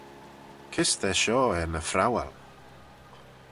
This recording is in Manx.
Kys ta shoh er ny phrowal?